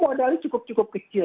modalnya cukup cukup kecil